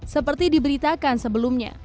seperti diberitakan sebelumnya